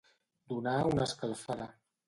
Donar una escalfada.